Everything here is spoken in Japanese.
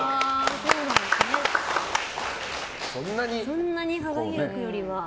そんなに幅広くよりは。